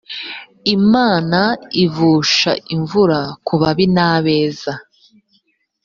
imana ivusha imvura kubabi na beza